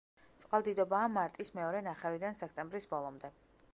წყალდიდობაა მარტის მეორე ნახევრიდან სექტემბრის ბოლომდე.